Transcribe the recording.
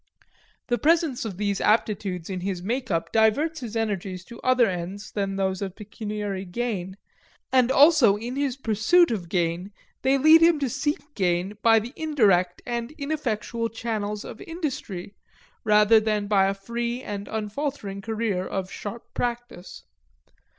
The presence of these aptitudes in his make up diverts his energies to other ends than those of pecuniary gain; and also in his pursuit of gain they lead him to seek gain by the indirect and ineffectual channels of industry, rather than by a free and unfaltering career of sharp practice.